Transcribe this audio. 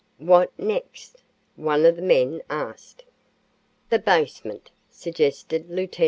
"What next?" one of the men asked. "The basement," suggested Lieut.